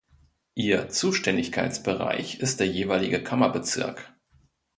Ihr Zuständigkeitsbereich ist der jeweilige "Kammerbezirk".